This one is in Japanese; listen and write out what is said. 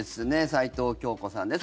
齊藤京子さんです。